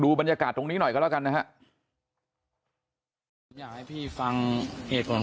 ดูบรรยากาศตรงนี้หน่อยก็แล้วกันนะฮะอยากให้พี่ฟังเอกฝน